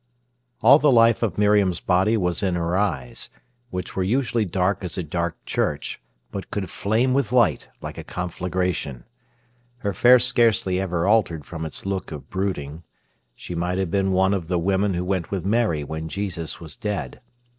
All the life of Miriam's body was in her eyes, which were usually dark as a dark church, but could flame with light like a conflagration. Her face scarcely ever altered from its look of brooding. She might have been one of the women who went with Mary when Jesus was dead.